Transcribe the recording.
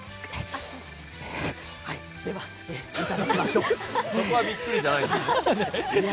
ではいただきましょう。